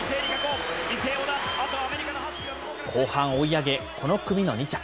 後半追い上げ、この組の２着。